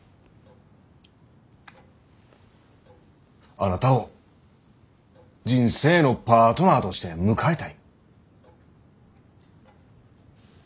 あなたを人生のパートナーとして迎えたい。